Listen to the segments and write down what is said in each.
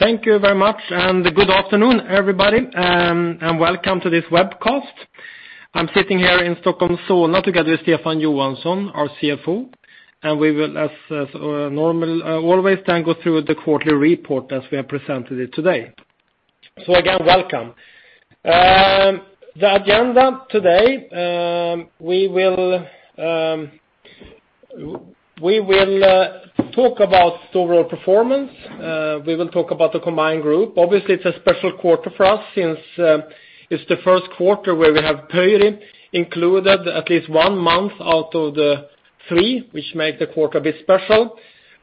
Thank you very much. Good afternoon, everybody, and welcome to this webcast. I am sitting here in Stockholm, Solna, together with Stefan Johansson, our CFO. We will, as normal always, then go through the quarterly report as we have presented it today. Again, welcome. The agenda today. We will talk about overall performance. We will talk about the combined group. Obviously, it's a special quarter for us since it's the first quarter where we have Pöyry included at least one month out of the three, which made the quarter a bit special.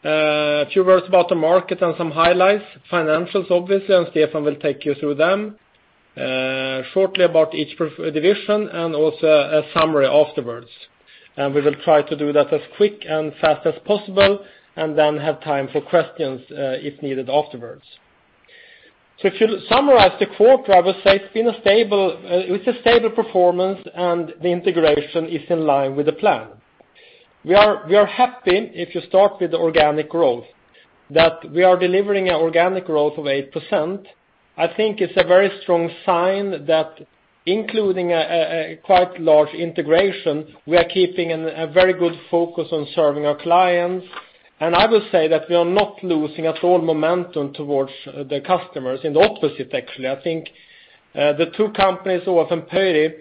A few words about the market and some highlights, financials, obviously. Stefan will take you through them. Shortly about each division and also a summary afterwards. We will try to do that as quick and fast as possible and then have time for questions if needed afterwards. If you summarize the quarter, I would say it's a stable performance and the integration is in line with the plan. We are happy if you start with the organic growth, that we are delivering organic growth of 8%. I think it's a very strong sign that including a quite large integration, we are keeping a very good focus on serving our clients. I would say that we are not losing at all momentum towards the customers. In the opposite actually, I think the two companies, ÅF and Pöyry,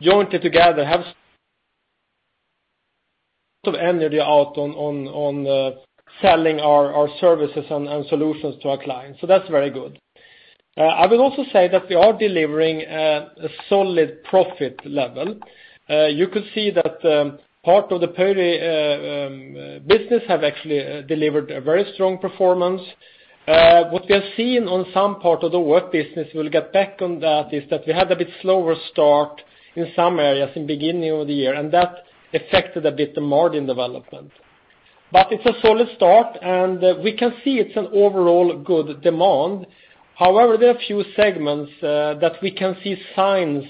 jointly together have energy out on selling our services and solutions to our clients. That's very good. I would also say that we are delivering a solid profit level. You could see that part of the Pöyry business have actually delivered a very strong performance. What we have seen on some part of the work business, we'll get back on that, is that we had a bit slower start in some areas in beginning of the year, and that affected a bit the margin development. It's a solid start, and we can see it's an overall good demand. However, there are a few segments that we can see signs of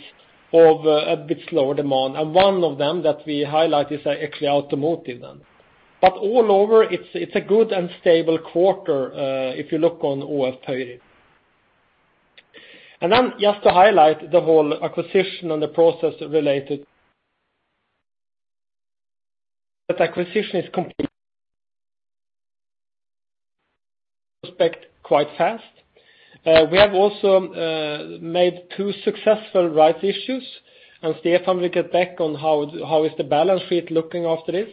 a bit slower demand, and one of them that we highlight is actually automotive then. All over, it's a good and stable quarter, if you look on ÅF. Just to highlight the whole acquisition and the process related. That acquisition is complete. Respect quite fast. We have also made two successful rights issues. Stefan will get back on how is the balance sheet looking after this.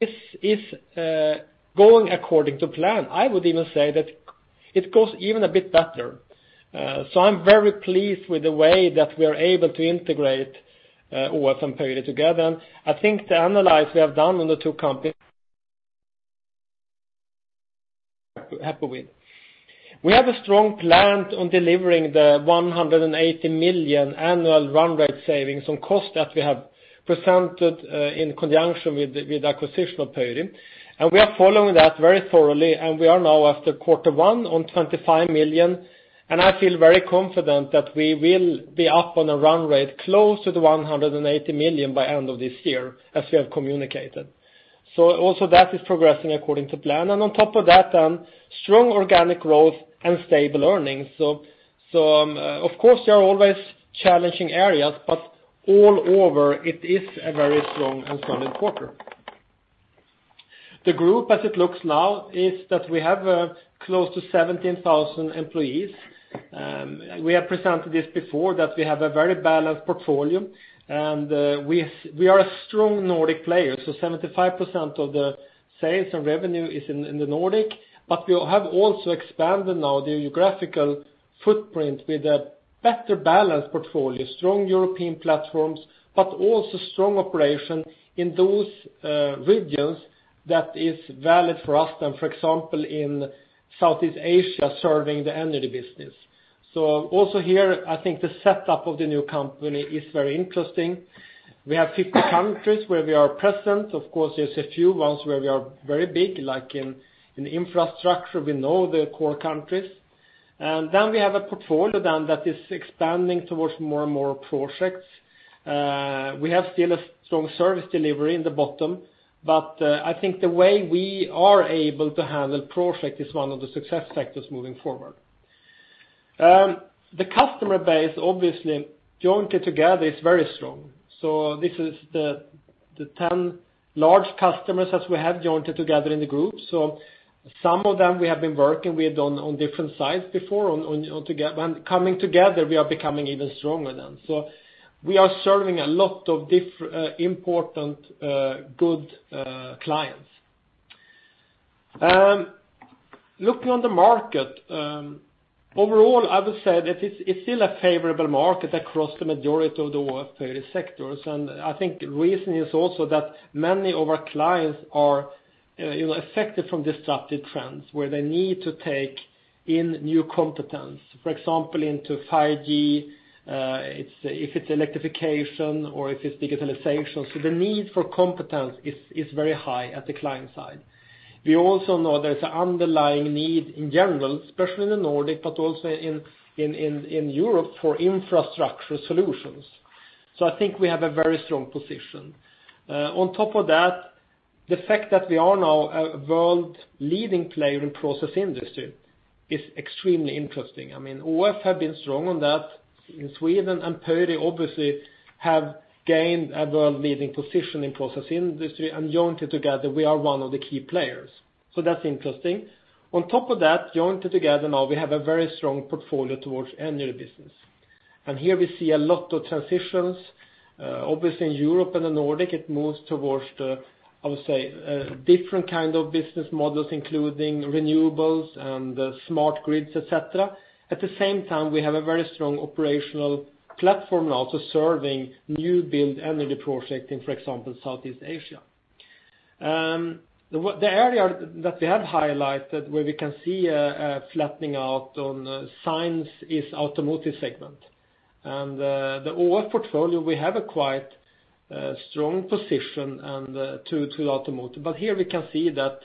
This is going according to plan. I would even say that it goes even a bit better. I'm very pleased with the way that we are able to integrate ÅF and Pöyry together. I think the analysis we have done on the two companies. Happy with. We have a strong plan on delivering the 180 million annual run rate savings on cost that we have presented in conjunction with acquisition of Pöyry. We are following that very thoroughly, and we are now after quarter one on 25 million, and I feel very confident that we will be up on a run rate close to the 180 million by end of this year as we have communicated. Also that is progressing according to plan. On top of that, strong organic growth and stable earnings. Of course, there are always challenging areas, but all over, it is a very strong and solid quarter. The group, as it looks now, is that we have close to 17,000 employees. We have presented this before, that we have a very balanced portfolio. We are a strong Nordic player. 75% of the sales and revenue is in the Nordic, but we have also expanded now the geographical footprint with a better balanced portfolio, strong European platforms, but also strong operation in those regions that is valid for us, for example, in Southeast Asia, serving the Energy business. Also here, I think the setup of the new company is very interesting. We have 50 countries where we are present. Of course, there's a few ones where we are very big, like in Infrastructure, we know the core countries. We have a portfolio then that is expanding towards more and more projects. We have still a strong service delivery in the bottom, but I think the way we are able to handle project is one of the success factors moving forward. The customer base, obviously, jointly together is very strong. This is the 10 large customers as we have jointly together in the group. Some of them we have been working with on different sides before. Coming together, we are becoming even stronger then. We are serving a lot of important good clients. Looking on the market, overall, I would say that it's still a favorable market across the majority of the world's various sectors. I think the reason is also that many of our clients are affected from disruptive trends where they need to take in new competence, for example, into 5G, if it's electrification or if it's digitalization. The need for competence is very high at the client side. We also know there's an underlying need in general, especially in the Nordic, but also in Europe, for Infrastructure solutions. I think we have a very strong position. On top of that, the fact that we are now a world-leading player in Process Industries is extremely interesting. ÅF have been strong on that in Sweden, and Pöyry obviously have gained a world-leading position in Process Industries, and joined together, we are one of the key players. That's interesting. On top of that, joined together now, we have a very strong portfolio towards Energy business. Here we see a lot of transitions. Obviously, in Europe and the Nordic, it moves towards the, I would say, different kind of business models, including renewables and smart grids, et cetera. At the same time, we have a very strong operational platform now to serving new build Energy project in, for example, Southeast Asia. The area that we have highlighted where we can see a flattening out on signs is automotive segment. The ÅF portfolio, we have a quite strong position to automotive. Here we can see that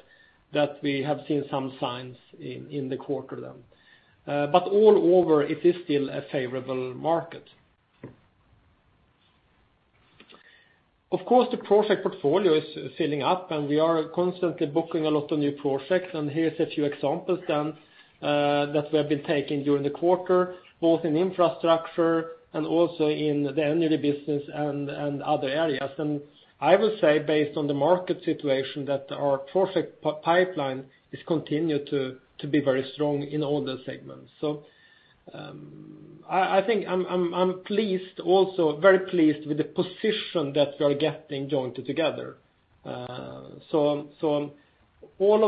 we have seen some signs in the quarter then. All over, it is still a favorable market. Of course, the project portfolio is filling up. We are constantly booking a lot of new projects. Here is a few examples that we have been taking during the quarter, both in Infrastructure and also in the Energy business and other areas. I will say, based on the market situation, that our project pipeline is continued to be very strong in all the segments. I think I'm very pleased with the position that we are getting joined together. All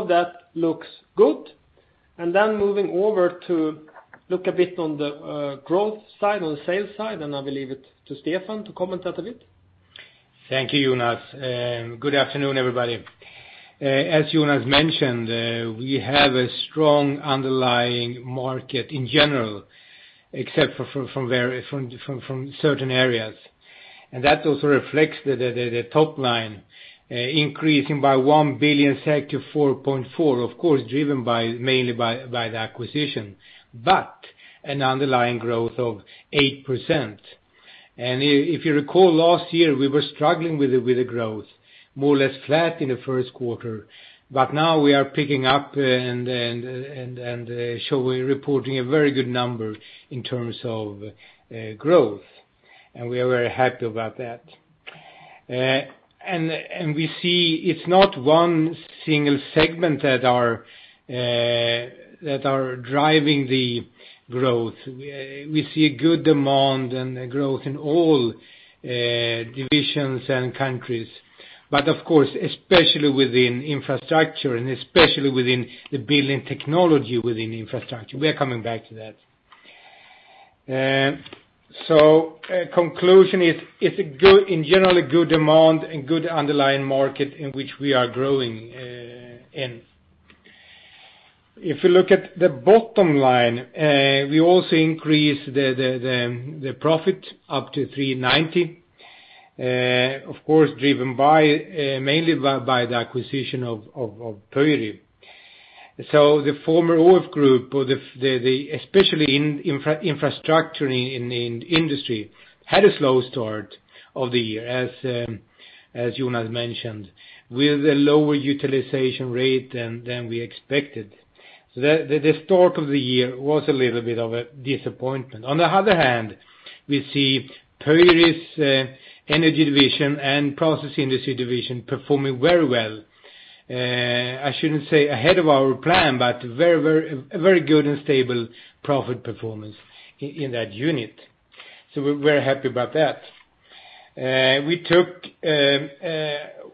of that looks good. Moving over to look a bit on the growth side, on the sales side, I will leave it to Stefan to comment that a bit. Thank you, Jonas. Good afternoon, everybody. As Jonas mentioned, we have a strong underlying market in general, except for certain areas. That also reflects the top line, increasing by 1 billion to 4.4 billion, of course, driven mainly by the acquisition, but an underlying growth of 8%. If you recall, last year, we were struggling with the growth, more or less flat in the first quarter. Now we are picking up and reporting a very good number in terms of growth, and we are very happy about that. We see it's not one single segment that are driving the growth. We see a good demand and growth in all divisions and countries, but of course, especially within Infrastructure and especially within the building technology within Infrastructure. We are coming back to that. Conclusion is, in general, a good demand and good underlying market in which we are growing in. If you look at the bottom line, we also increased the profit up to 390 million, of course, driven mainly by the acquisition of Pöyry. The former ÅF group, especially in Infrastructure in industry, had a slow start of the year, as Jonas mentioned, with a lower utilization rate than we expected. The start of the year was a little bit of a disappointment. On the other hand, we see Pöyry's Energy division and Process Industries division performing very well. I shouldn't say ahead of our plan, but a very good and stable profit performance in that unit. We're very happy about that. We took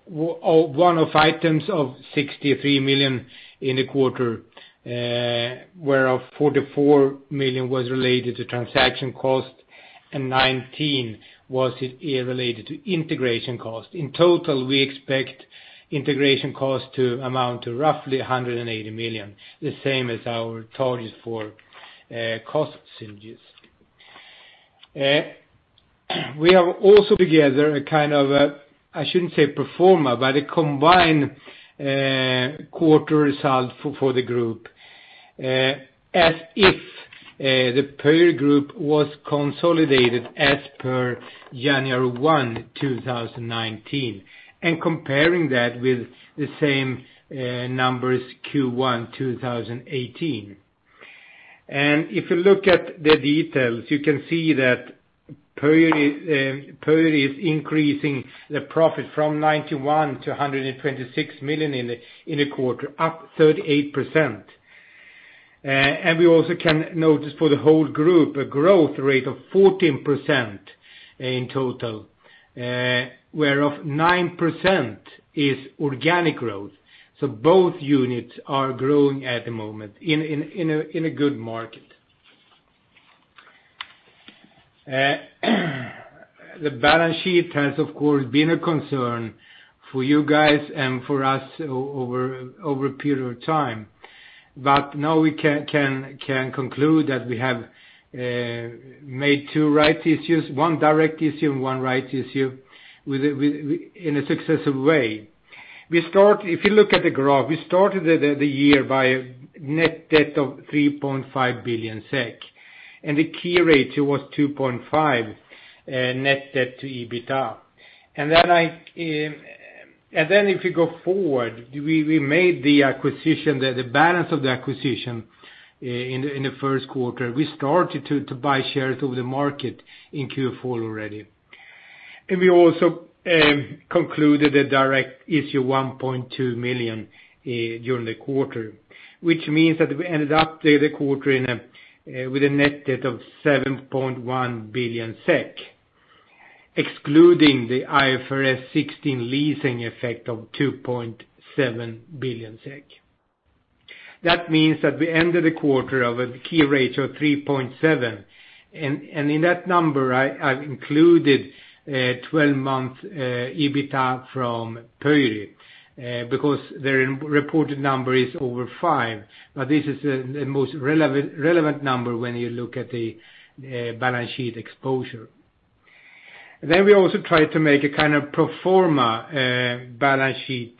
one-off items of 63 million in the quarter, whereof 44 million was related to transaction cost and 19 million was related to integration cost. In total, we expect integration cost to amount to roughly 180 million, the same as our target for cost synergies. We have also together a kind of, I shouldn't say pro forma, but a combined quarter result for the group as if the Pöyry Group was consolidated as per January 1, 2019, and comparing that with the same numbers Q1 2018. If you look at the details, you can see that Pöyry is increasing the profit from 91 million to 126 million in the quarter, up 38%. We also can notice for the whole group a growth rate of 14% in total, whereof 9% is organic growth. Both units are growing at the moment in a good market. The balance sheet has, of course, been a concern for you guys and for us over a period of time. Now we can conclude that we have made two right issues, one direct issue and one right issue, in a successive way. If you look at the graph, we started the year by net debt of 3.5 billion SEK, and the key ratio was 2.5 net debt to EBITDA. If you go forward, we made the balance of the acquisition in the first quarter. We started to buy shares over the market in Q4 already. We also concluded a direct issue, 1.2 million during the quarter, which means that we ended up the quarter with a net debt of 7.1 billion SEK, excluding the IFRS 16 leasing effect of 2.7 billion SEK. That means that we ended the quarter of a key ratio of 3.7, and in that number I've included 12-month EBITA from Pöyry, because their reported number is over five. This is the most relevant number when you look at the balance sheet exposure. We also try to make a pro forma balance sheet,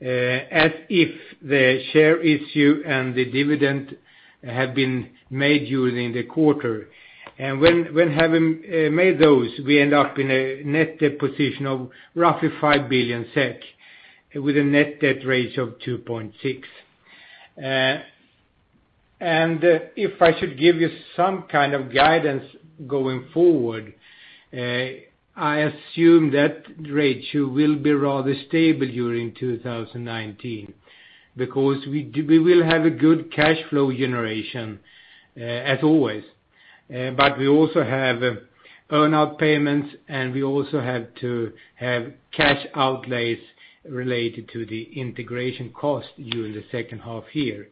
as if the share issue and the dividend have been made during the quarter. When having made those, we end up in a net debt position of roughly 5 billion SEK, with a net debt ratio of 2.6. If I should give you some kind of guidance going forward, I assume that ratio will be rather stable during 2019, because we will have a good cash flow generation as always. We also have earn-out payments, and we also have to have cash outlays related to the integration cost during the second half year.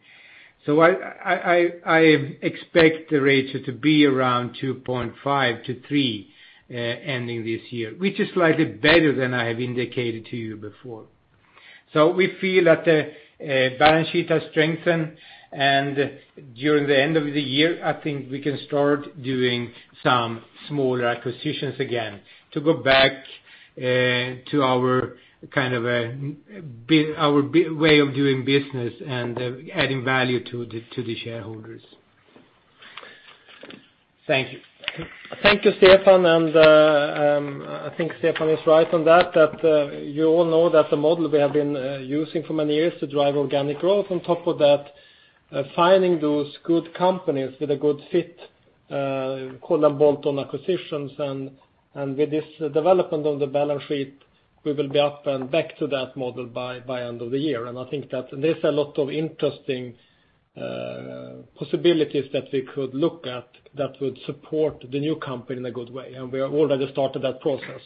I expect the ratio to be around 2.5 to 3 ending this year, which is slightly better than I have indicated to you before. We feel that the balance sheet has strengthened. During the end of the year, I think we can start doing some smaller acquisitions again to go back to our way of doing business and adding value to the shareholders. Thank you. Thank you, Stefan. I think Stefan is right on that you all know that the model we have been using for many years to drive organic growth on top of that, finding those good companies with a good fit, call them bolt-on acquisitions. With this development of the balance sheet, we will be up and back to that model by end of the year. I think that there's a lot of interesting possibilities that we could look at that would support the new company in a good way. We have already started that process.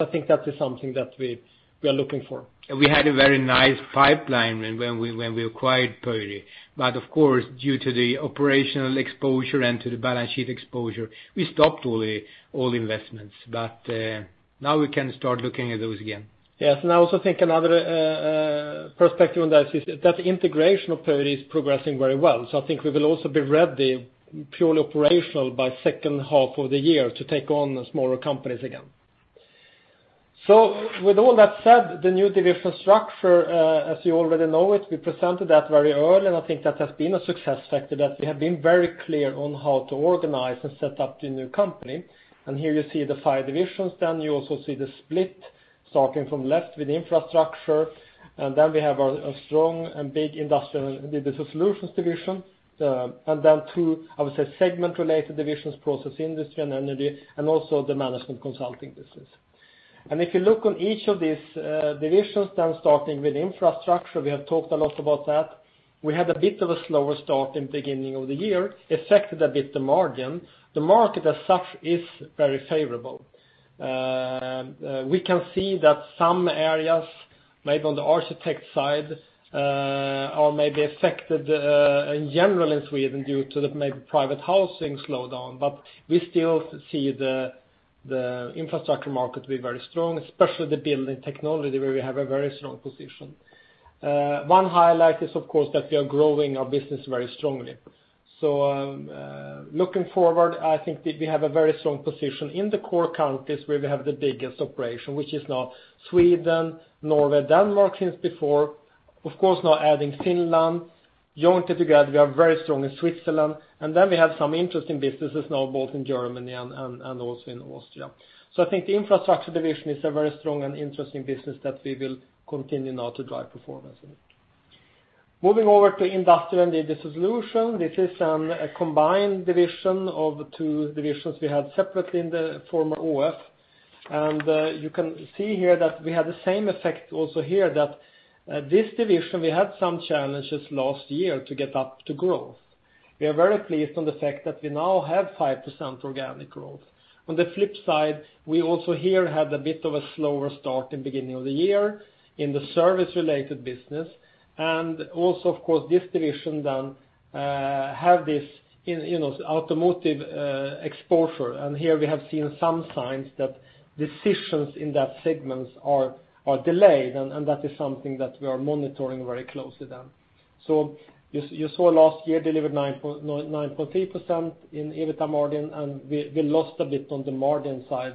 I think that is something that we are looking for. We had a very nice pipeline when we acquired Pöyry. Of course, due to the operational exposure and to the balance sheet exposure, we stopped all investments, but now we can start looking at those again. Yes, I also think another perspective on that is that the integration of Pöyry is progressing very well. I think we will also be ready, purely operational by second half of the year to take on smaller companies again. With all that said, the new division structure, as you already know it, we presented that very early and I think that has been a success factor that we have been very clear on how to organize and set up the new company. Here you see the five divisions, you also see the split starting from left with Infrastructure. We have our strong and big Industrial & Digital Solutions division. Two, I would say, segment-related divisions, Process Industries and Energy, and also the Management Consulting business. If you look on each of these divisions then starting with Infrastructure, we have talked a lot about that. We had a bit of a slower start in beginning of the year, affected a bit the margin. The market as such is very favorable. We can see that some areas, maybe on the architect side, are maybe affected in general in Sweden due to the maybe private housing slowdown, but we still see the Infrastructure market to be very strong, especially the building technology where we have a very strong position. One highlight is, of course, that we are growing our business very strongly. Looking forward, I think we have a very strong position in the core countries where we have the biggest operation, which is now Sweden, Norway, Denmark since before, of course now adding Finland. Jointly together, we are very strong in Switzerland, then we have some interesting businesses now both in Germany and also in Austria. I think the Infrastructure division is a very strong and interesting business that we will continue now to drive performance in it. Moving over to Industrial & Digital Solutions, this is a combined division of the two divisions we had separately in the former ÅF. You can see here that we had the same effect also here that this division, we had some challenges last year to get up to growth. We are very pleased on the fact that we now have 5% organic growth. On the flip side, we also here had a bit of a slower start in beginning of the year in the service-related business. Also, of course, this division then have this automotive exposure. Here we have seen some signs that decisions in that segment are delayed, that is something that we are monitoring very closely. You saw last year delivered 9.3% in EBITA margin, we lost a bit on the margin side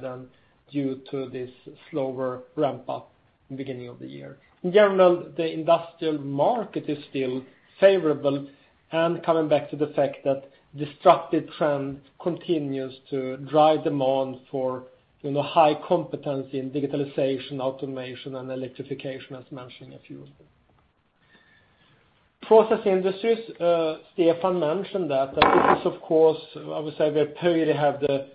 due to this slower ramp-up in beginning of the year. In general, the industrial market is still favorable, coming back to the fact that disruptive trends continues to drive demand for high competency in digitalization, automation, and electrification, as mentioned a few of them. Process Industries, Stefan mentioned that. This is, I would say, where Pöyry have the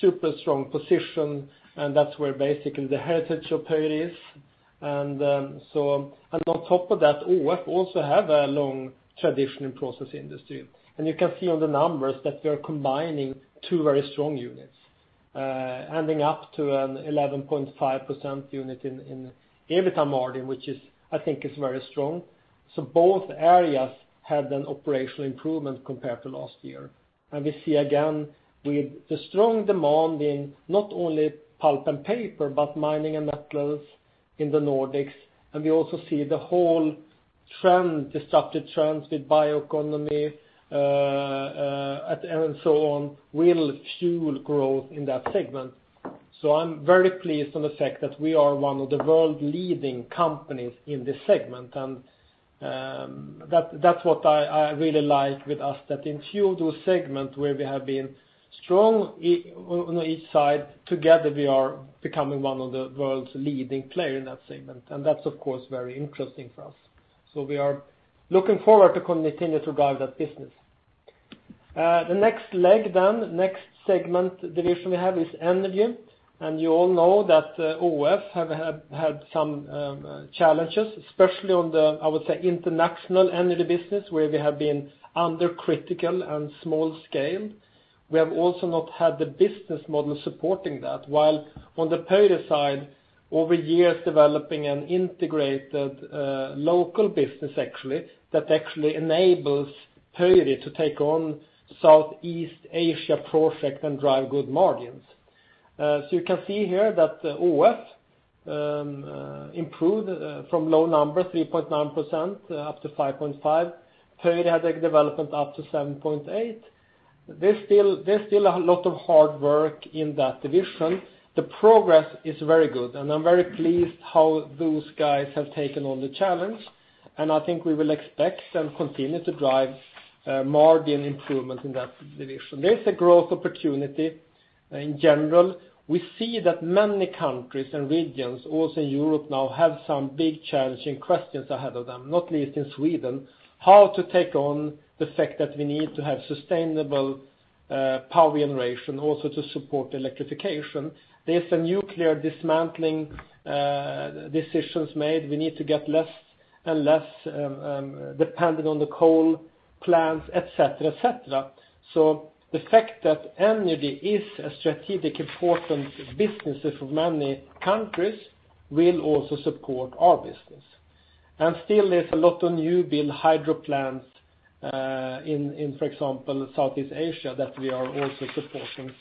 super strong position, that's where basically the heritage of Pöyry is. On top of that, ÅF also have a long tradition in Process Industries. You can see on the numbers that we are combining two very strong units, adding up to an 11.5% unit in EBITDA margin, which I think is very strong. Both areas had an operational improvement compared to last year. We see again, with the strong demand in not only pulp and paper, but mining and metals in the Nordics, we also see the whole disruptive trends with bioeconomy will fuel growth in that segment. I'm very pleased on the fact that we are one of the world leading companies in this segment. That's what I really like with us, that in two segment where we have been strong on each side, together, we are becoming one of the world's leading player in that segment. That's, of course, very interesting for us. We are looking forward to continue to drive that business. The next leg, next segment division we have is Energy. You all know that ÅF have had some challenges, especially on the, I would say, international Energy business, where we have been under critical and small scale. We have also not had the business model supporting that, while on the Pöyry side, over years developing an integrated local business actually, that actually enables Pöyry to take on Southeast Asia project and drive good margins. You can see here that ÅF improved from low number 3.9% up to 5.5%. Pöyry had a development up to 7.8%. There's still a lot of hard work in that division. The progress is very good, I'm very pleased how those guys have taken on the challenge, I think we will expect and continue to drive margin improvement in that division. There's a growth opportunity in general. We see that many countries and regions, also in Europe now, have some big challenging questions ahead of them, not least in Sweden, how to take on the fact that we need to have sustainable power generation also to support electrification. There's a nuclear dismantling decisions made. We need to get less and less dependent on the coal plants, et cetera. The fact that Energy is a strategic important businesses for many countries will also support our business. Still there's a lot of new build hydro plants in, for example, Southeast Asia that we are also supporting.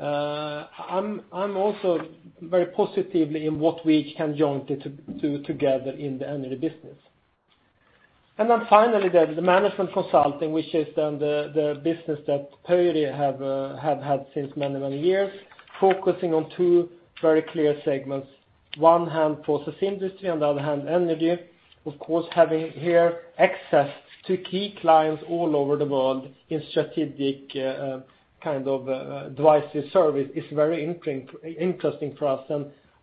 I'm also very positively in what we can jointly do together in the Energy business. Then finally, the Management Consulting, which is the business that Pöyry have had since many years, focusing on two very clear segments. On one hand, Process Industries, on the other hand, Energy. Of course, having here access to key clients all over the world in strategic devices service is very interesting for us.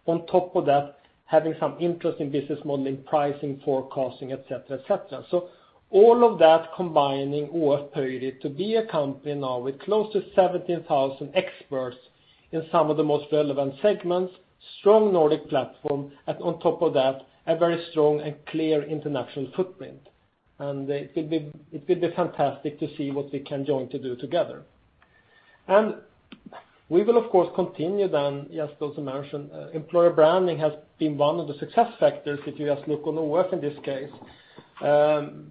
On top of that, having some interesting business modeling, pricing, forecasting, et cetera. All of that combining ÅF Pöyry to be a company now with close to 17,000 experts in some of the most relevant segments, strong Nordic platform, and on top of that, a very strong and clear international footprint. It will be fantastic to see what we can jointly do together. We will, of course, continue then, just also mention, employer branding has been one of the success factors, if you just look on ÅF in this case.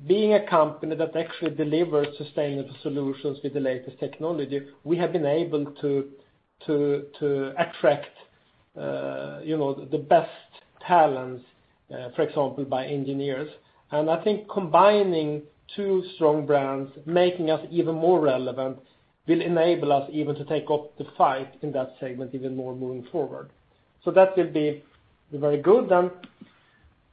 Being a company that actually delivers sustainable solutions with the latest technology, we have been able to attract the best talents, for example, by engineers. I think combining two strong brands, making us even more relevant, will enable us even to take up the fight in that segment even more moving forward. That will be very good.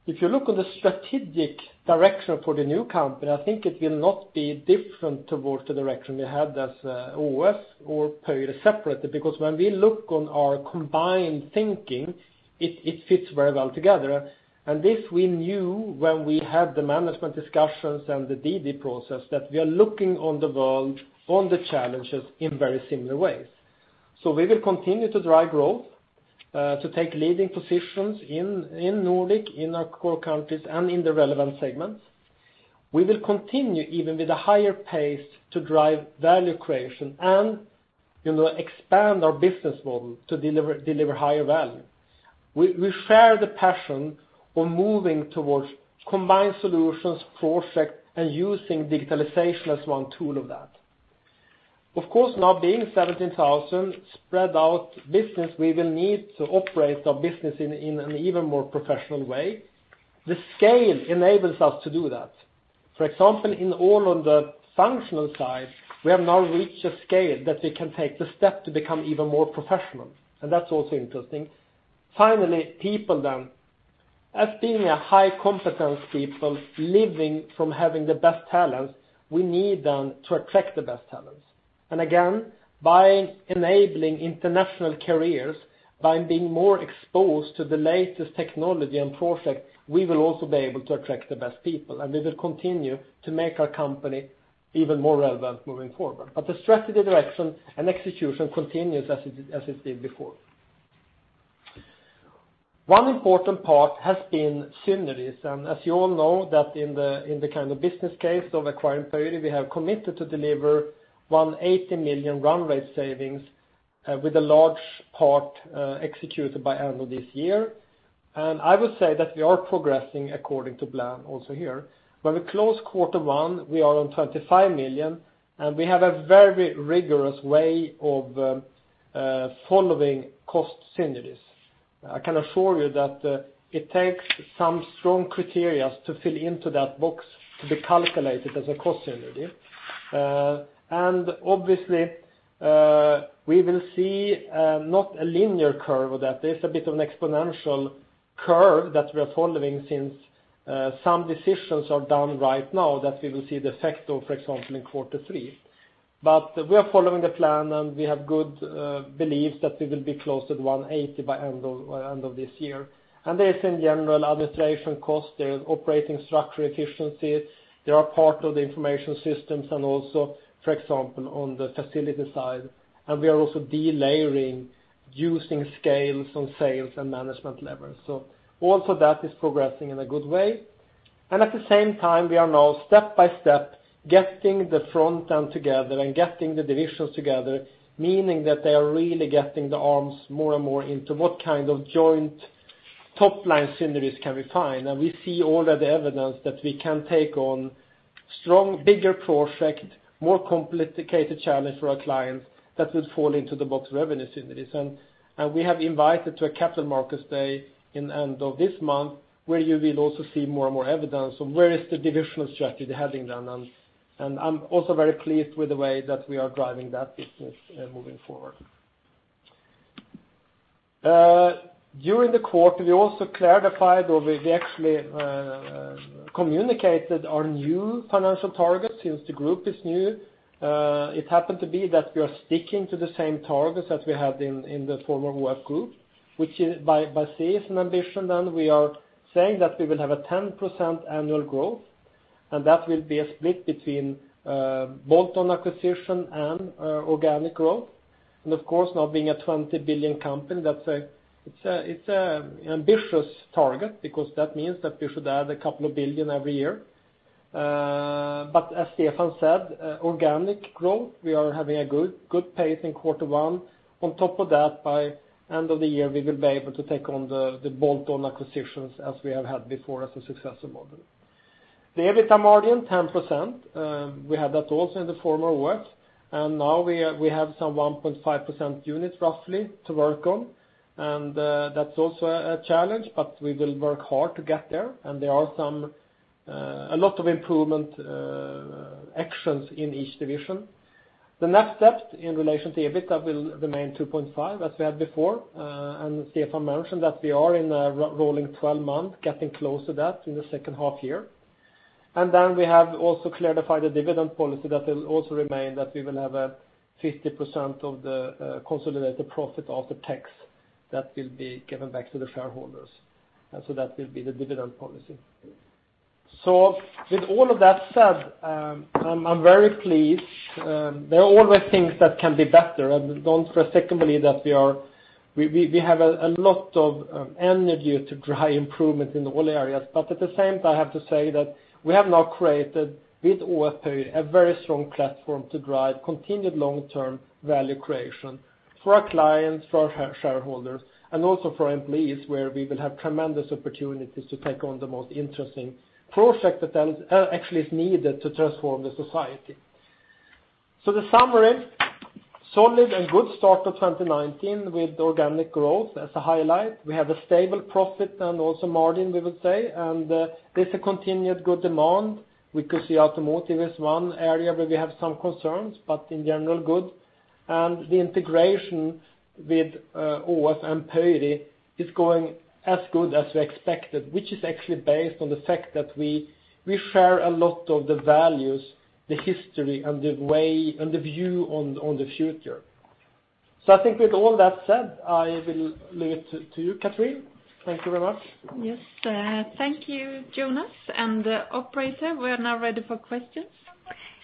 If you look on the strategic direction for the new company, I think it will not be different towards the direction we had as ÅF or Pöyry separately, because when we look on our combined thinking, it fits very well together. This we knew when we had the management discussions and the DD process that we are looking on the world on the challenges in very similar ways. We will continue to drive growth, to take leading positions in Nordic, in our core countries, and in the relevant segments. We will continue even with a higher pace to drive value creation and expand our business model to deliver higher value. We share the passion on moving towards combined solutions, project, and using digitalization as one tool of that. Of course, now being 17,000 spread out business, we will need to operate our business in an even more professional way. The scale enables us to do that. For example, in all of the functional sides, we have now reached a scale that we can take the step to become even more professional, and that's also interesting. Finally, people then. As being a high competence people, living from having the best talents, we need then to attract the best talents. Again, by enabling international careers, by being more exposed to the latest technology and projects, we will also be able to attract the best people, and we will continue to make our company even more relevant moving forward. The strategy direction and execution continues as it did before. One important part has been synergies. As you all know that in the kind of business case of acquiring Pöyry, we have committed to deliver 180 million run rate savings with a large part executed by end of this year. I would say that we are progressing according to plan also here. When we close quarter one, we are on 25 million, and we have a very rigorous way of following cost synergies. I can assure you that it takes some strong criteria to fill into that box to be calculated as a cost synergy. Obviously, we will see not a linear curve of that. There's a bit of an exponential curve that we are following since some decisions are done right now that we will see the effect of, for example, in quarter three. We are following the plan, and we have good beliefs that we will be close to 180 million by end of this year. There is, in general, administration cost, there is operating structure efficiency, there are part of the information systems and also, for example, on the facility side, and we are also delayering using scales on sales and management levels. Also that is progressing in a good way. At the same time, we are now step by step getting the front end together and getting the divisions together, meaning that they are really getting the arms more and more into what kind of joint top-line synergies can we find. We see all of the evidence that we can take on strong, bigger projects, more complicated challenge for our clients that will fall into the box revenue synergies. We have invited to a capital markets day in end of this month where you will also see more and more evidence on where is the divisional strategy heading then. I'm also very pleased with the way that we are driving that business moving forward. During the quarter, we also clarified, or we actually communicated our new financial targets since the group is new. It happened to be that we are sticking to the same targets that we had in the former work group. By safe ambition, we are saying that we will have a 10% annual growth, and that will be a split between bolt-on acquisition and organic growth. Of course, now being a 20 billion company, it's an ambitious target because that means that we should add a couple of billion SEK every year. As Stefan said, organic growth, we are having a good pace in quarter one. On top of that, by end of the year, we will be able to take on the bolt-on acquisitions as we have had before as a successful model. The EBITDA margin, 10%, we had that also in the former work, and now we have some 1.5% units roughly to work on. That's also a challenge, but we will work hard to get there. There are a lot of improvement actions in each division. The next step in relation to EBITDA will remain 2.5 as we had before, and Stefan mentioned that we are in a rolling 12-month, getting close to that in the second half year. We have also clarified the dividend policy that will also remain that we will have a 50% of the consolidated profit after tax that will be given back to the shareholders. That will be the dividend policy. With all of that said, I'm very pleased. There are always things that can be better, and don't for a second believe that we have a lot of energy to drive improvement in all areas. I have to say that we have now created, with ÅF Pöyry, a very strong platform to drive continued long-term value creation for our clients, for our shareholders, and also for employees, where we will have tremendous opportunities to take on the most interesting project that actually is needed to transform the society. The summary, solid and good start to 2019 with organic growth as a highlight. We have a stable profit and also margin, we would say, and there's a continued good demand. We could see automotive as one area where we have some concerns, but in general, good. The integration with ÅF and Pöyry is going as good as we expected, which is actually based on the fact that we share a lot of the values, the history and the way, and the view on the future. I think with all that said, I will leave it to you, Catherine. Thank you very much. Yes. Thank you, Jonas. Operator, we are now ready for questions.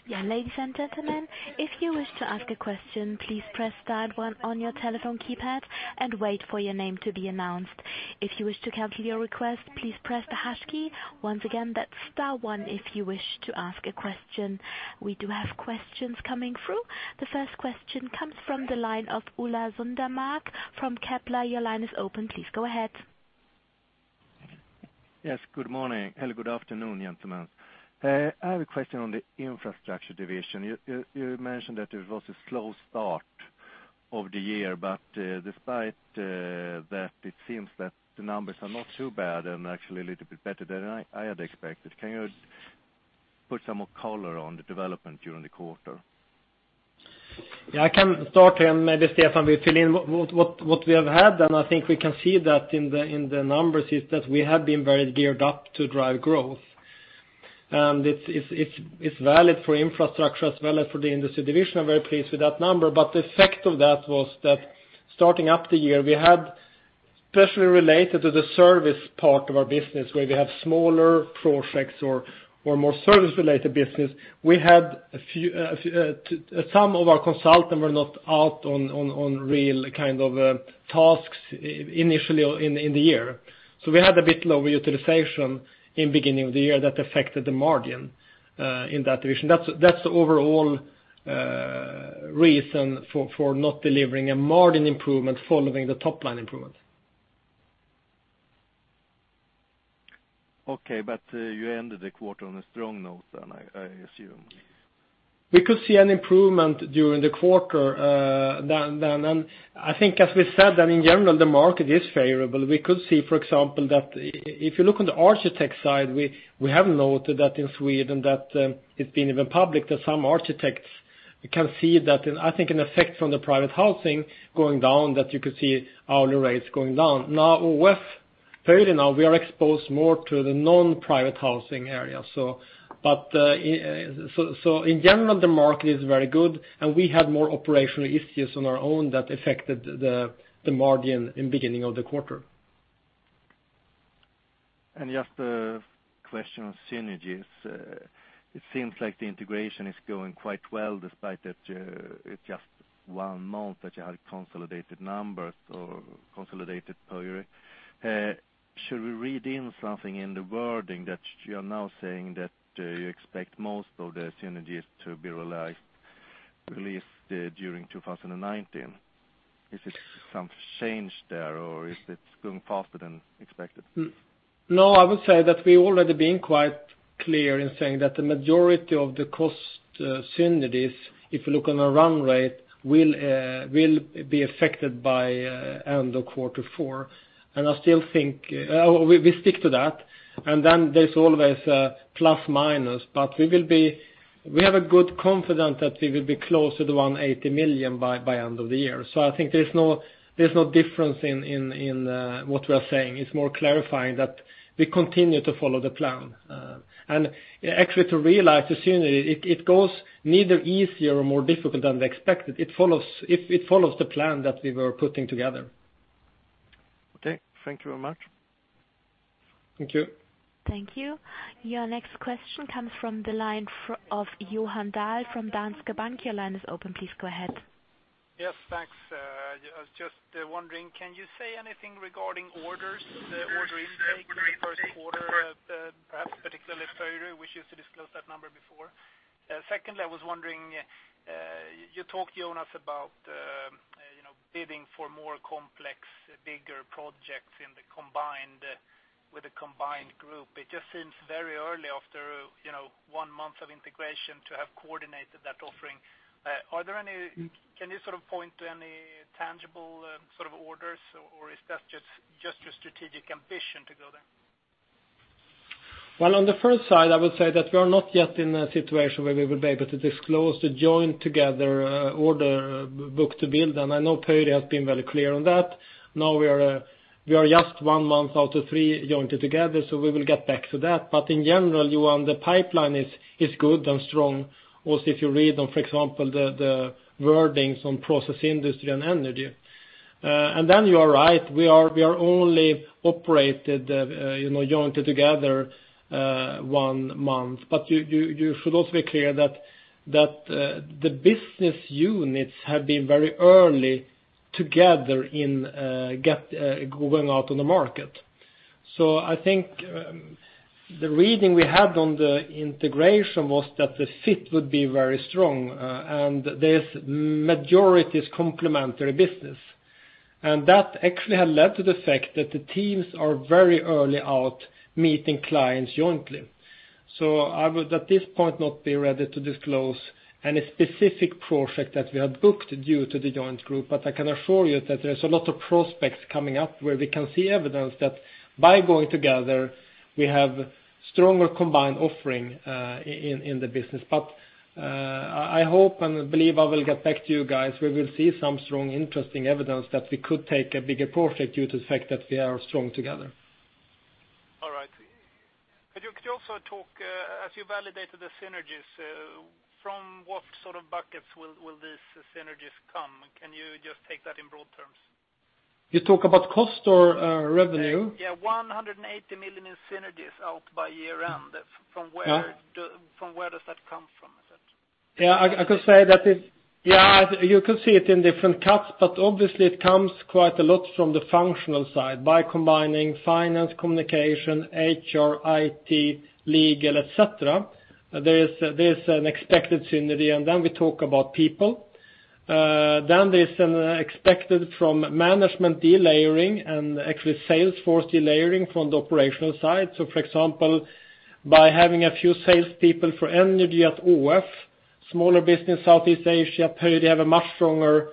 Ladies and gentlemen, if you wish to ask a question, please press star one on your telephone keypad and wait for your name to be announced. If you wish to cancel your request, please press the hash key. Once again, that's star one if you wish to ask a question. We do have questions coming through. The first question comes from the line of Ola Södermark from Kepler. Your line is open. Please go ahead. Yes. Good morning, hello, good afternoon, gentlemen. I have a question on the Infrastructure division. You mentioned that it was a slow start of the year, but despite that, it seems that the numbers are not too bad and actually a little bit better than I had expected. Can you put some more color on the development during the quarter? Yeah, I can start here, and maybe Stefan will fill in what we have had. I think we can see that in the numbers is that we have been very geared up to drive growth. It's valid for Infrastructure as well as for the industry division. I'm very pleased with that number, but the effect of that was that starting up the year, we had especially related to the service part of our business, where we have smaller projects or more service-related business. We had some of our consultants were not out on real kind of tasks initially in the year. We had a bit lower utilization in beginning of the year that affected the margin in that division. That's the overall reason for not delivering a margin improvement following the top-line improvement. Okay. You ended the quarter on a strong note then, I assume. We could see an improvement during the quarter. I think as we said, that in general, the market is favorable. We could see, for example, that if you look on the architect side, we have noted that in Sweden, that it's been even public, that some architects can see that, I think an effect from the private housing going down, that you could see hourly rates going down. Now with Pöyry now we are exposed more to the non-private housing area. In general, the market is very good, and we had more operational issues on our own that affected the margin in beginning of the quarter. Just a question on synergies. It seems like the integration is going quite well despite that it's just one month that you had consolidated numbers or consolidated Pöyry. Should we read in something in the wording that you are now saying that you expect most of the synergies to be realized at least during 2019? Is it some change there, or is it going faster than expected? No, I would say that we've already been quite clear in saying that the majority of the cost synergies, if you look on a run rate, will be affected by end of quarter four. I still think we stick to that. Then there's always a plus, minus. We have a good confidence that we will be close to 180 million by end of the year. I think there's no difference in what we are saying. It's more clarifying that we continue to follow the plan. Actually to realize the synergy, it goes neither easier or more difficult than we expected. It follows the plan that we were putting together. Okay. Thank you very much. Thank you. Thank you. Your next question comes from the line of Johan Dahl from Danske Bank. Your line is open. Please go ahead. Yes, thanks. I was just wondering, can you say anything regarding orders, the order intake in the first quarter perhaps particularly Pöyry, which used to disclose that number before. Second, I was wondering, you talked, Jonas, about bidding for more complex, bigger projects with a combined group. It just seems very early after one month of integration to have coordinated that offering. Can you sort of point to any tangible sort of orders or is that just your strategic ambition to go there? Well, on the first side, I would say that we are not yet in a situation where we would be able to disclose the joint together order book to build. I know Pöyry has been very clear on that. Now we are just one month out of three jointed together. We will get back to that. In general, Johan, the pipeline is good and strong. Also, if you read on, for example, the wordings on Process Industries and Energy. You are right, we are only operated jointed together one month. You should also be clear that the business units have been very early together in going out on the market. I think the reading we had on the integration was that the fit would be very strong, and this majority is complementary business, and that actually had led to the fact that the teams are very early out meeting clients jointly. I would at this point not be ready to disclose any specific project that we have booked due to the joint group. I can assure you that there's a lot of prospects coming up where we can see evidence that by going together, we have stronger combined offering in the business. I hope and believe I will get back to you guys where we'll see some strong interesting evidence that we could take a bigger project due to the fact that we are strong together. All right. Could you also talk as you validated the synergies, from what sort of buckets will these synergies come? Can you just take that in broad terms? You talk about cost or revenue? Yeah, SEK 180 million in synergies out by year-end. From where does that come from? Yeah, you could see it in different cuts, but obviously it comes quite a lot from the functional side by combining finance, communication, HR, IT, legal, et cetera. There's an expected synergy, and then we talk about people. There's an expected from management delayering and actually sales force delayering from the operational side. For example, by having a few salespeople for Energy at ÅF, smaller business, Southeast Asia, Pöyry have a much stronger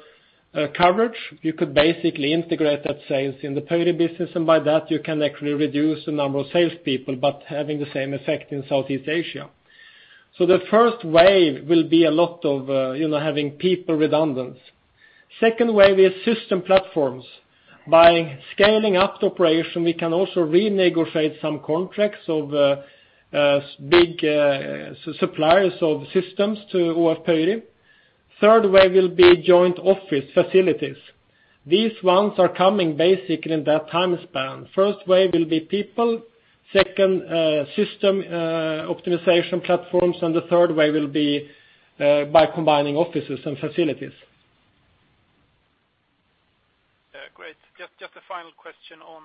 coverage. You could basically integrate that sales in the Pöyry business, and by that you can actually reduce the number of salespeople, but having the same effect in Southeast Asia. The first wave will be a lot of having people redundant. Second way is system platforms. By scaling up the operation, we can also renegotiate some contracts of big suppliers of systems to AFRY. Third way will be joint office facilities. These ones are coming basically in that time span. First way will be people, second system optimization platforms, and the third way will be by combining offices and facilities. Great. Just a final question on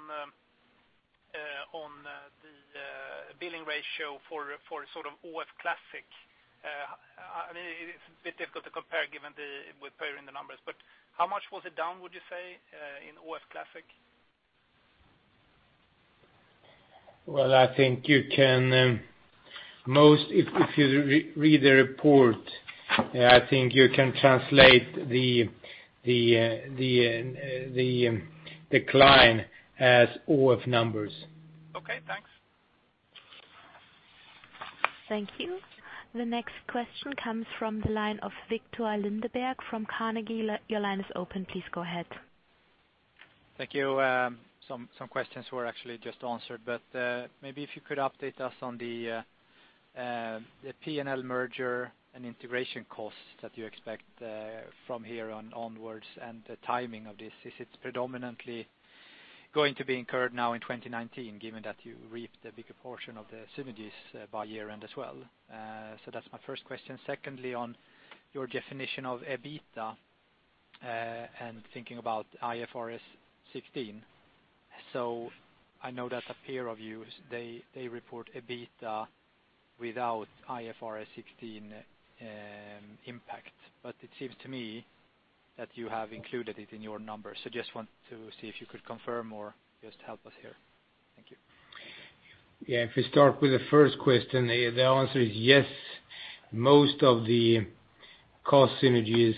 the billing ratio for sort of ÅF classic. It's a bit difficult to compare given with paying the numbers, but how much was it down, would you say, in ÅF classic? Well, I think if you read the report, I think you can translate the decline as ÅF numbers. Okay, thanks. Thank you. The next question comes from the line of Viktor Lindeberg from Carnegie. Your line is open. Please go ahead. Thank you. Some questions were actually just answered, maybe if you could update us on the P&L merger and integration costs that you expect from here onwards and the timing of this. Is it predominantly going to be incurred now in 2019, given that you reaped the bigger portion of the synergies by year-end as well? That's my first question. Secondly, on your definition of EBITDA, and thinking about IFRS 16. I know that a peer of yours, they report EBITDA without IFRS 16 impact. It seems to me that you have included it in your numbers. Just want to see if you could confirm or just help us here. Thank you. If we start with the first question, the answer is yes, most of the cost synergies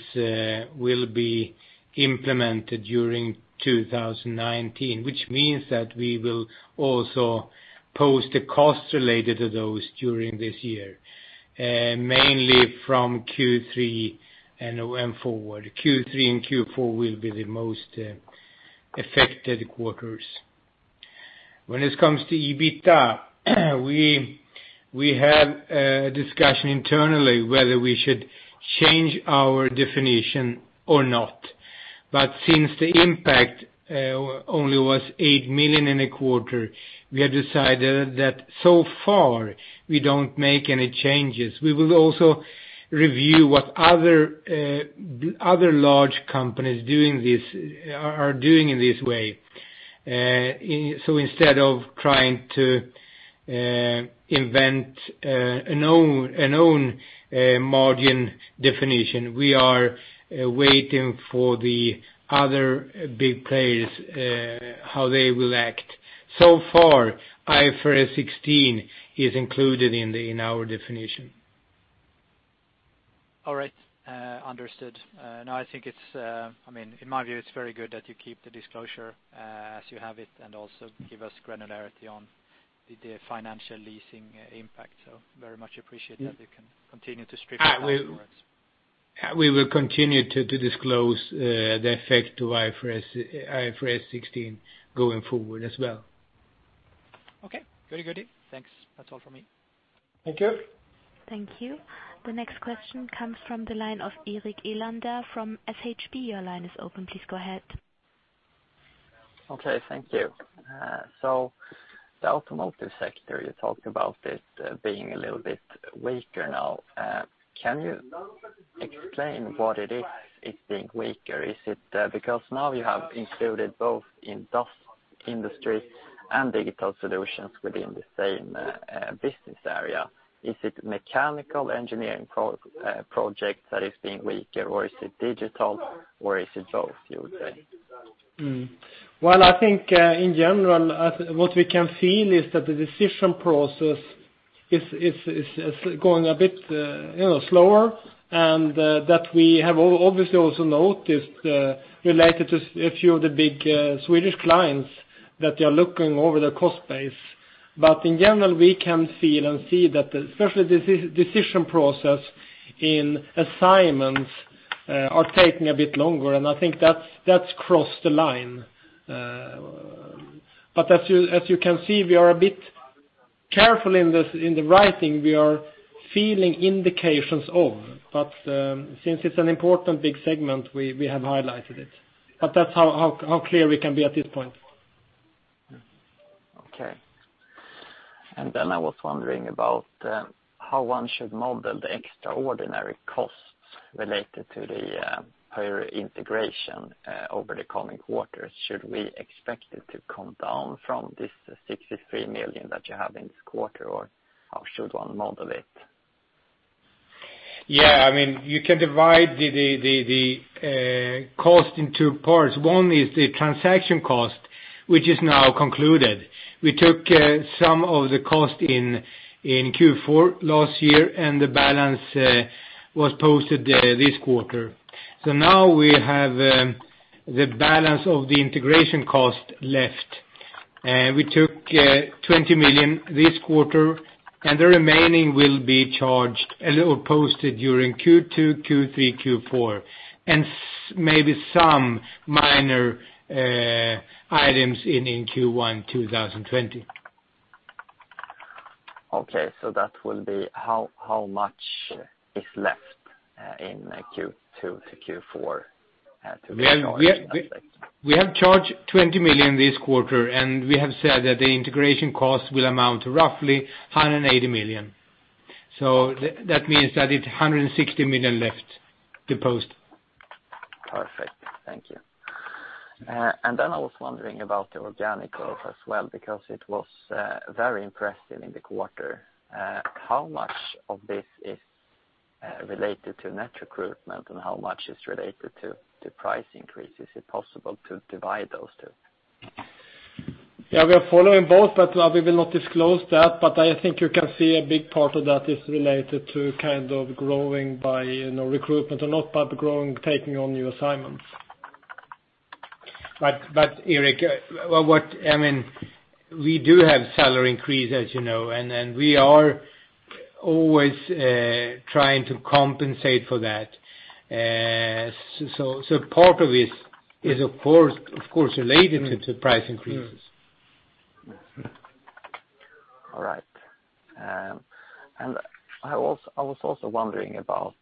will be implemented during 2019, which means that we will also post a cost related to those during this year, mainly from Q3 and forward. Q3 and Q4 will be the most affected quarters. When it comes to EBITDA, we have a discussion internally whether we should change our definition or not. Since the impact only was 8 million in a quarter, we have decided that so far we don't make any changes. We will also review what other large companies are doing in this way. Instead of trying to invent an own margin definition, we are waiting for the other big players, how they will act. So far, IFRS 16 is included in our definition. All right. Understood. In my view, it's very good that you keep the disclosure as you have it and also give us granularity on the financial leasing impact. Very much appreciate that you can continue to strip that for us. We will continue to disclose the effect of IFRS 16 going forward as well. Okay. Goodie. Thanks. That's all from me. Thank you. Thank you. The next question comes from the line of Erik Elander from SHB. Your line is open. Please go ahead. Okay. Thank you. The automotive sector, you talked about it being a little bit weaker now. Can you explain what it is it's being weaker? Is it because now you have included both Industrial & Digital Solutions within the same business area. Is it mechanical engineering project that is being weaker, or is it digital, or is it both, you would say? Well, I think in general, what we can feel is that the decision process is going a bit slower, that we have obviously also noticed, related to a few of the big Swedish clients, that they are looking over their cost base. In general, we can feel and see that especially decision process in assignments are taking a bit longer, I think that's crossed the line. As you can see, we are a bit careful in the writing. We are feeling indications of, since it's an important big segment, we have highlighted it. That's how clear we can be at this point. Okay. I was wondering about how one should model the extraordinary costs related to the higher integration over the coming quarters. Should we expect it to come down from this 63 million that you have in this quarter, or how should one model it? Yeah, you can divide the cost in two parts. One is the transaction cost, which is now concluded. We took some of the cost in Q4 last year, the balance was posted this quarter. Now we have the balance of the integration cost left. We took 20 million this quarter, the remaining will be charged or posted during Q2, Q3, Q4, and maybe some minor items in Q1 2020. Okay. That will be how much is left in Q2 to Q4 to be charged? We have charged 20 million this quarter, and we have said that the integration costs will amount to roughly 180 million. That means that it's 160 million left to post. Perfect. Thank you. Then I was wondering about the organic growth as well, because it was very impressive in the quarter. How much of this is related to net recruitment, and how much is related to the price increase? Is it possible to divide those two? Yeah, we are following both, but we will not disclose that. I think you can see a big part of that is related to growing by recruitment or not, but growing, taking on new assignments. Erik, we do have salary increase as you know, and we are always trying to compensate for that. Part of it is of course related to price increases. All right. I was also wondering about,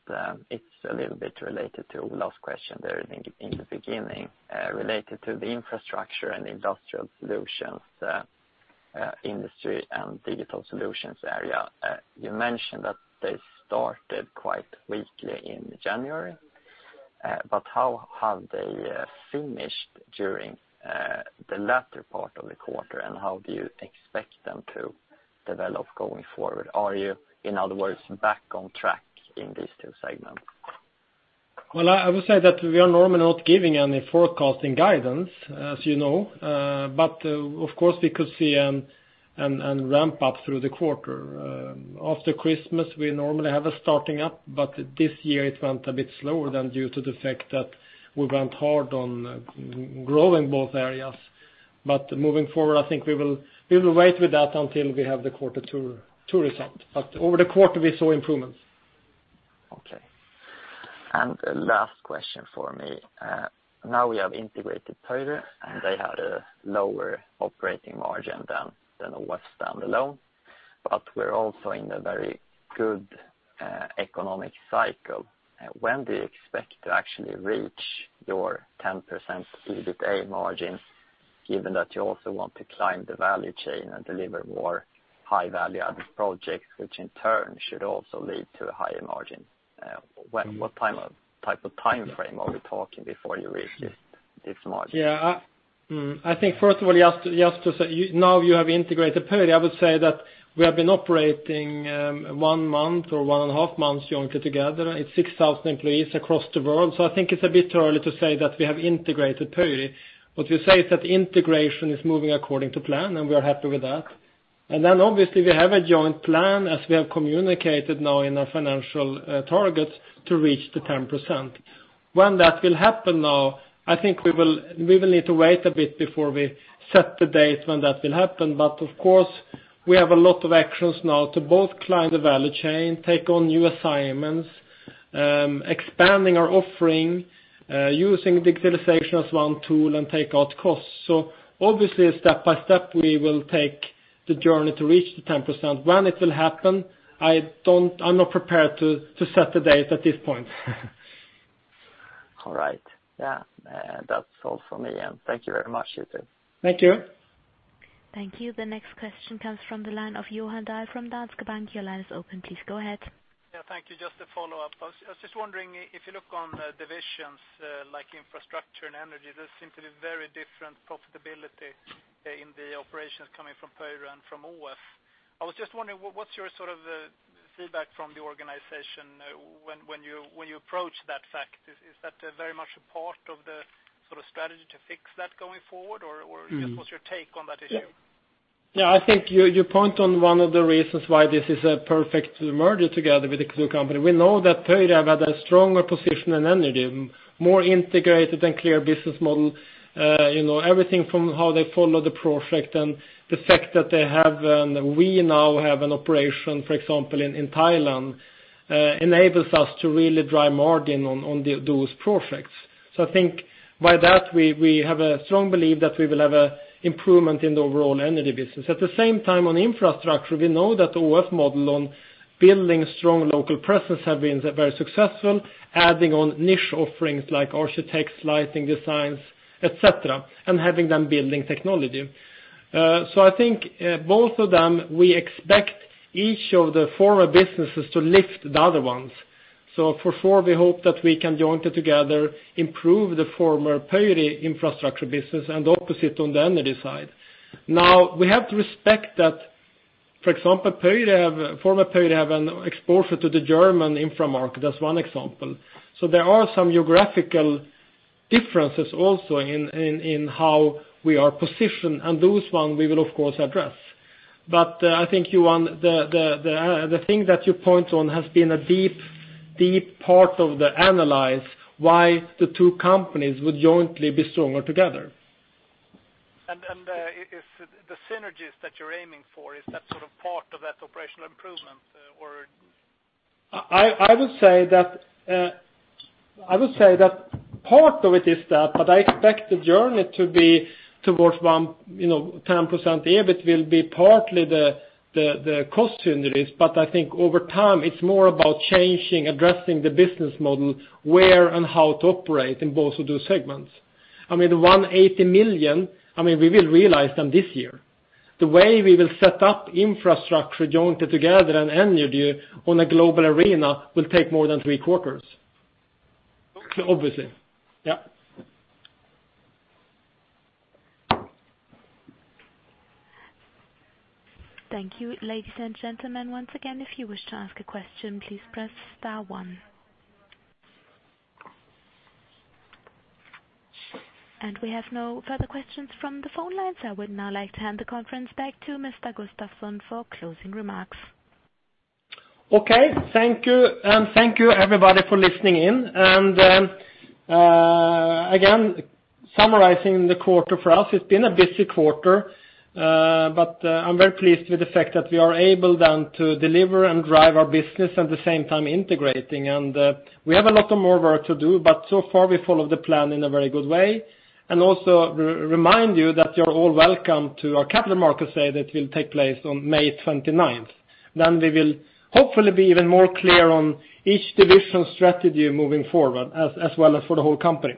it's a little bit related to last question there in the beginning, related to the Infrastructure and industrial solutions, Industrial & Digital Solutions area. You mentioned that they started quite weakly in January. How have they finished during the latter part of the quarter, and how do you expect them to develop going forward? Are you, in other words, back on track in these two segments? Well, I would say that we are normally not giving any forecasting guidance, as you know. Of course, we could see and ramp up through the quarter. After Christmas, we normally have a starting up, but this year it went a bit slower than due to the fact that we went hard on growing both areas. Moving forward, I think we will wait with that until we have the quarter two result. Over the quarter, we saw improvements. Okay. Last question for me. Now we have integrated Pöyry, and they had a lower operating margin than the rest down below. We're also in a very good economic cycle. When do you expect to actually reach your 10% EBITA margin, given that you also want to climb the value chain and deliver more high-value added projects, which in turn should also lead to a higher margin? What type of timeframe are we talking before you reach this margin? Yeah. I think, first of all, now you have integrated Pöyry, I would say that we have been operating one month or one and a half months jointly together. It's 6,000 employees across the world, I think it's a bit early to say that we have integrated Pöyry. What we say is that the integration is moving according to plan, and we are happy with that. Obviously we have a joint plan as we have communicated now in our financial targets to reach the 10%. When that will happen now, I think we will need to wait a bit before we set the date when that will happen. Of course, we have a lot of actions now to both climb the value chain, take on new assignments, expanding our offering, using digitalization as one tool and take out costs. Obviously step by step, we will take the journey to reach the 10%. When it will happen, I'm not prepared to set the date at this point. All right. Yeah. That's all from me, thank you very much. Thank you. Thank you. The next question comes from the line of Johan Dahl from Danske Bank. Your line is open. Please go ahead. Yeah, thank you. Just a follow-up. I was just wondering if you look on the divisions like Infrastructure and Energy, there seem to be very different profitability in the operations coming from Pöyry and from ÅF. I was just wondering, what's your sort of feedback from the organization when you approach that fact? Is that very much a part of the sort of strategy to fix that going forward? What's your take on that issue? Yeah, I think you point on one of the reasons why this is a perfect merger together with the [Clue company]. We know that Pöyry have had a stronger position in Energy, more integrated and clear business model. Everything from how they follow the project and the fact that we now have an operation, for example, in Thailand enables us to really drive margin on those projects. I think by that, we have a strong belief that we will have an improvement in the overall Energy business. At the same time on Infrastructure, we know that the ÅF model on building strong local presence have been very successful, adding on niche offerings like architects, lighting designs, et cetera, and having them building technology. I think both of them, we expect each of the former businesses to lift the other ones. For sure we hope that we can jointly together improve the former Pöyry Infrastructure business and opposite on the Energy side. Now, we have to respect that, for example, former Pöyry have an exposure to the German infra market, that's one example. There are some geographical differences also in how we are positioned, and those ones we will of course address. I think the thing that you point on has been a deep part of the analysis why the two companies would jointly be stronger together. The synergies that you're aiming for, is that sort of part of that operational improvement or? I would say that part of it is that, I expect the journey to be towards 10% EBIT will be partly the cost synergies. I think over time it's more about changing, addressing the business model, where and how to operate in both of those segments. I mean, the 180 million, we will realize them this year. The way we will set up Infrastructure jointly together and Energy on a global arena will take more than three quarters, obviously. Thank you. Ladies and gentlemen, once again, if you wish to ask a question, please press star one. We have no further questions from the phone lines. I would now like to hand the conference back to Mr. Gustavsson for closing remarks. Okay. Thank you. Thank you everybody for listening in. Again, summarizing the quarter for us, it's been a busy quarter. I'm very pleased with the fact that we are able then to deliver and drive our business, at the same time integrating. We have a lot of more work to do, so far we followed the plan in a very good way. Also remind you that you're all welcome to our capital markets day that will take place on May 29th. We will hopefully be even more clear on each division strategy moving forward as well as for the whole company.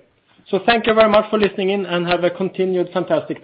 Thank you very much for listening in, and have a continued fantastic day.